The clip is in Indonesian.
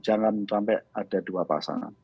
jangan sampai ada dua pasangan